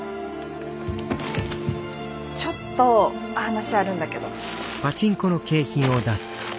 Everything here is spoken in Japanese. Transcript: ちょっと話あるんだけど。